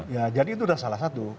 ya jadi itu sudah salah satu